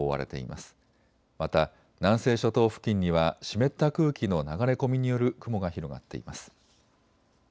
また南西諸島付近には湿った空気の流れ込みによる雲が広がっています。